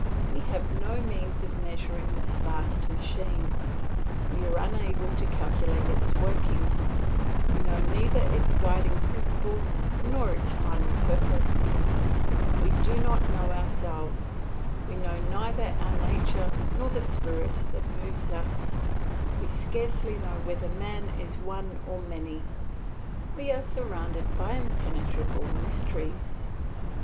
We have no means of measuring this vast machine, we are unable to calculate its workings; we know neither its guiding principles nor its final purpose; we do not know ourselves, we know neither our nature nor the spirit that moves us; we scarcely know whether man is one or many; we are surrounded by impenetrable mysteries.